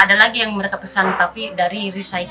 ada lagi yang mereka pesan tapi dari recyc